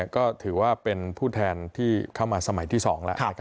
ก็ถือว่าเป็นผู้แทนที่เข้ามาสมัยที่๒แล้ว